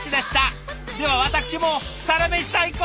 では私も「サラメシ」最高！